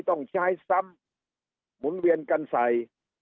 ต้องใช้ซ้ำหมุนเวียนกันใส่